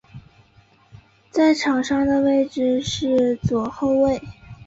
在场上的位置是左后卫。